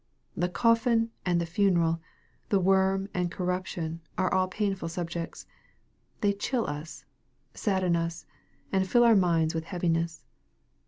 The coffin and the funeral, the worm and corrup tion, are all painful subjects. They chill us, sadden us, and fill our minds with heaviness.